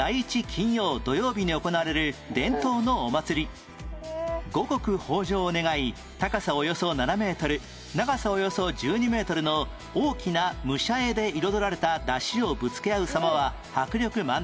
小矢部市で五穀豊穣を願い高さおよそ７メートル長さおよそ１２メートルの大きな武者絵で彩られた山車をぶつけ合う様は迫力満点